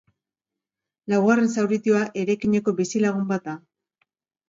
Laugarren zauritua eraikineko bizilagun bat da.